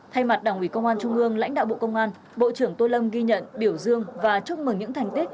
thay mặt đảng ủy công an trung ương lãnh đạo bộ công an bộ trưởng tô lâm ghi nhận biểu dương và chúc mừng những thành tích